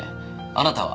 あなたは？